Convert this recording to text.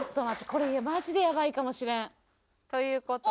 これマジでやばいかもしれん。という事で。